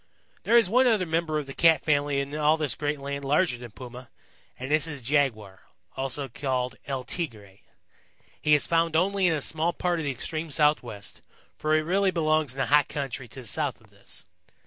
"There is one other member of the Cat family in all this great land larger than Puma, and this is Jaguar, also called El Tigre. He is found only in a small part of the extreme Southwest, for he really belongs in the hot country to the south of this.